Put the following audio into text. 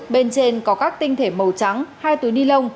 bên trên có các tinh thể màu trắng hai túi ni lông